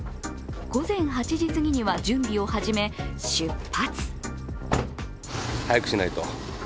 午前８時すぎには準備を始め、出発。